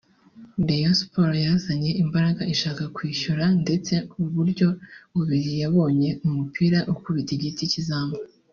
Rayon Sports yazanye imbaraga ishaka kwishyura ndetse uburyo bubiri yabonye umupira ukubita igiti cy’izamu